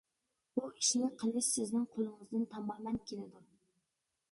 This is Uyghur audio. بۇ ئىشنى قىلىش سىزنىڭ قولىڭىزدىن تامامەن كېلىدۇ.